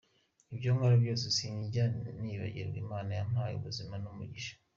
Ibyo nkora byose sinjya nibagirwa Imana yampaye ubuzima n’umugisha.